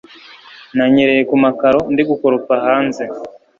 Nanyereye ku makaro ndigukoropa hanze